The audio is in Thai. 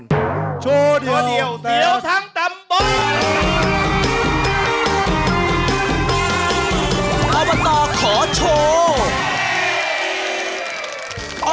อบตตช์ขอโชว์